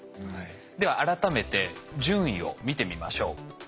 では改めて順位を見てみましょう。